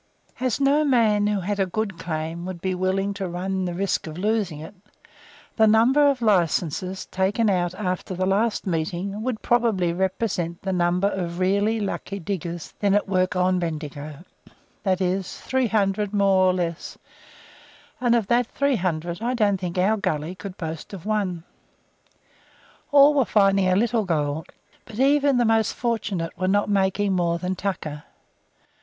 II. As no man who had a good claim would be willing to run the risk of losing it, the number of licenses taken out after the last meeting would probably represent the number of really lucky diggers then at work on Bendigo, viz., three hundred more or less, and of the three hundred I don't think our gully could boast of one. All were finding a little gold, but even the most fortunate were not making more than "tucker."